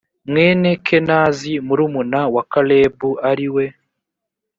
mwene kenazi murumuna wa kalebu ari we